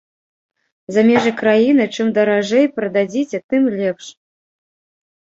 За межы краіны чым даражэй прададзіце, тым лепш.